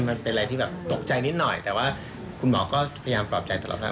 มันเป็นอะไรที่แบบตกใจนิดหน่อยแต่ว่าคุณหมอก็พยายามปลอบใจตลอดว่า